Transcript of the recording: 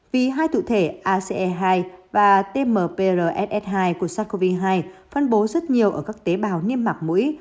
vì hai cụ thể ace hai và tmprss hai của sars cov hai phân bố rất nhiều ở các tế bào niêm mạc mũi